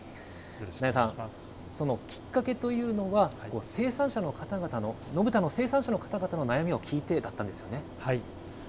那谷さん、そのきっかけというのは、生産者の方々の、野豚の生産者の方々の悩みを聞いてだったんですよね。